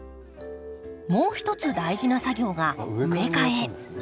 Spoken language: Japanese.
もう一つ大事な作業が植え替え。